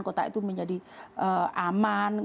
kota itu menjadi aman